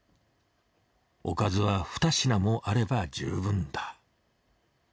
おかずはふた品もあれば十分だ。